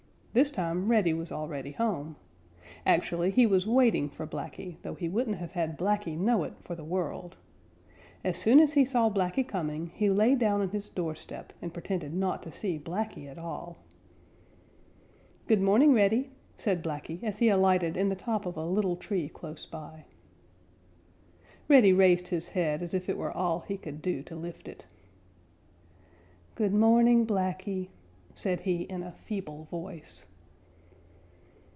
This time Reddy was already home. Actually he was waiting for Blacky, though he wouldn't have had Blacky know it for the world. As soon as he saw Blacky coming, he lay down on his doorstep and pretended not to see Blacky at all. "Good morning, Reddy," said Blacky, as he alighted in the top of a little tree close by. Reddy raised his head as if it were all he could do to lift it. "Good morning, Blacky," said he in a feeble voice.